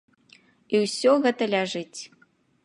І ўсё гэта ляжыць.